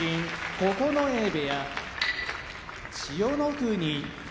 九重部屋千代の国